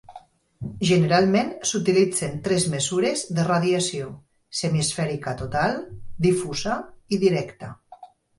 Generalment s'utilitzen tres mesures de radiació: semiesfèrica total, difusa i directa.